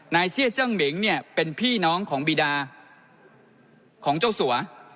เสียเจิ้งเหม็งเนี่ยเป็นพี่น้องของบีดาของเจ้าสัว